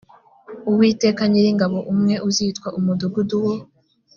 uwiteka nyiringabo umwe uzitwa umudugudu wo